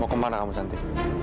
mau kemana kamu santi